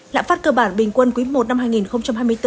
lạm phát cơ bản bình quân quý i năm hai nghìn hai mươi bốn